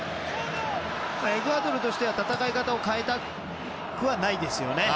エクアドルとしては戦い方を変えたくはないですよね。